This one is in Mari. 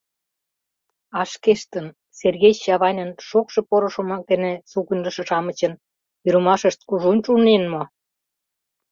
А шкештын, Сергей Чавайнын шокшо-поро шомак дене сугыньлышо-шамычын, пӱрымашышт кужун шуйнен мо?